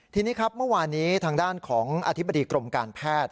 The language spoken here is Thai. ทีนี้ครับเมื่อวานนี้ทางด้านของอธิบดีกรมการแพทย์